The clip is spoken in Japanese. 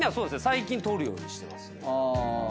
最近取るようにしてますね。